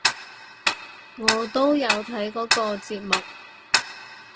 我都有睇嗰個節目！